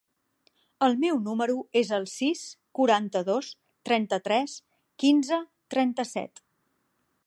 El meu número es el sis, quaranta-dos, trenta-tres, quinze, trenta-set.